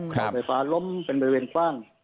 รถไฟฟ้าล้มเป็นบริเวณกว้าง